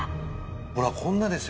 ほら、こんなですよ。